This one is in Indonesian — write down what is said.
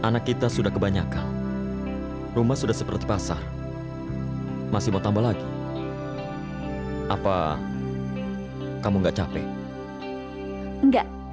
saksikan series ipa dan ips di gtv